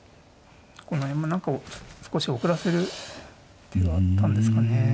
この辺も何か少し遅らせる手はあったんですかね。